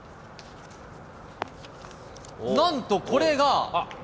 なんとこれが。